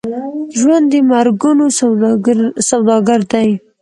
ژوند د مرګونو سوداګر دی.